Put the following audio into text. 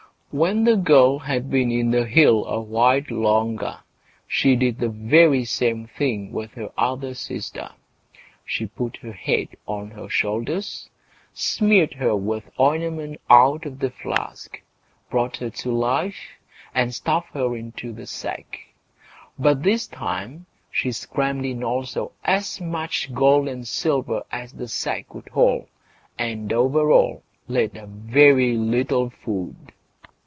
Now, when the girl had been in the hill a while longer, she did the very same thing with her other sister. She put her head on her shoulders, smeared her with ointment out of the flask, brought her to life, and stuffed her into the sack; but this time she crammed in also as much gold and silver as the sack would hold, and over all laid a very little food.